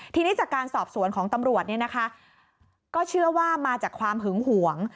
ทีนี้จากการสอบสวนของตำรวจเนี่ยนะคะก็เชื่อว่ามาจากความหึงหวง